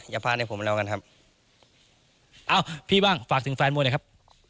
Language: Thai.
อย่าพลาดให้ผมมาเล่ากันครับอ้าวพี่บ้างฝากถึงแฟนมดเนี้ยครับ